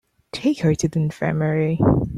Take her to the infirmary.